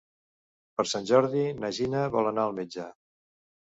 Per Sant Jordi na Gina vol anar al metge.